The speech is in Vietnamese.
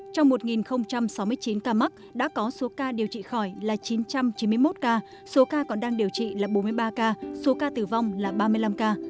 trong một sáu mươi chín ca mắc đã có số ca điều trị khỏi là chín trăm chín mươi một ca số ca còn đang điều trị là bốn mươi ba ca số ca tử vong là ba mươi năm ca